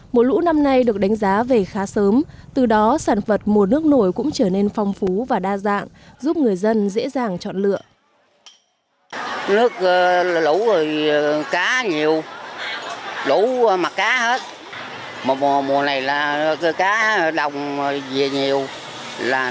mùa lũ năm nay được đánh giá về khá sớm từ đó sản vật mùa nước nổi cũng trở nên phong phú và đa dạng giúp người dân dễ dàng chọn lựa